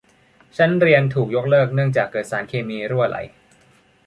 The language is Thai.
ชั้นเรียนถูกยกเลิกเนื่องจากเกิดสารเคมีรั่วไหล